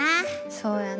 そうやな。